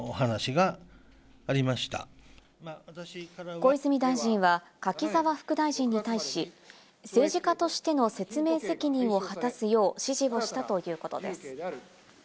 小泉大臣は柿沢副大臣に対し、政治家としての説明責任を果たすよう指示をしたということです。